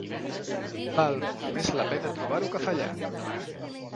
Val molt més la pena trobar-ho que fallar.